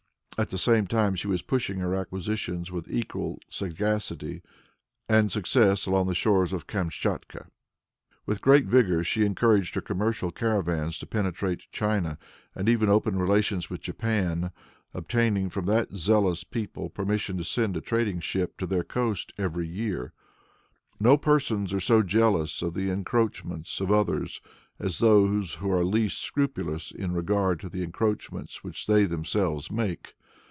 At the same time she was pushing her acquisitions with equal sagacity and success along the shores of Kamtschatka. With great vigor she encouraged her commercial caravans to penetrate China, and even opened relations with Japan, obtaining from that jealous people permission to send a trading ship to their coast every year. No persons are so jealous of the encroachments of others as those who are least scrupulous in regard to the encroachments which they themselves make.